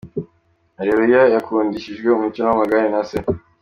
Areruya yakundishijwe umukino w’amagare na se.